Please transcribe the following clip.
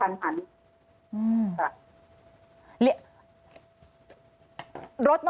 อันดับที่สุดท้าย